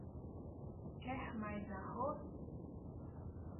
Quer mais arroz?